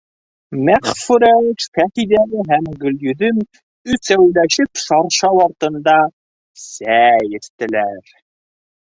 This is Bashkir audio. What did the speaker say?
Мәғфүрә, Шәһиҙә һәм Гөлйөҙөм өсәүләшеп шаршау артында сәй эстеләр.